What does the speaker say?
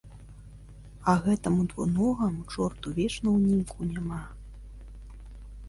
А гэтаму двуногаму чорту вечна ўнімку няма.